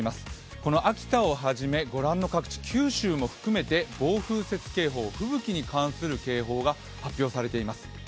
この秋田をはじめご覧の各地、九州も含めて暴風雪警報、吹雪に関する警報が発表されています。